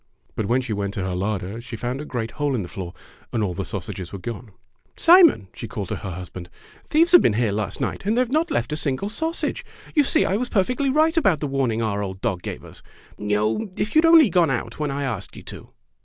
But when she went to her larder she found a great hole in the floor, and all the sausages were gone. "Simon!" she called to her husband, "thieves have been here last night, and they have not left a single sausage. You see I was perfectly right about the warning our old dog gave us. Oh! if you had only gone out when I asked you to!"